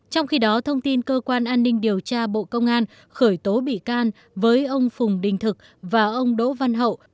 trong khi đó thông tin cơ quan an ninh điều tra bộ công an khởi tố bị can với ông phùng đình thực và ông đỗ văn hậu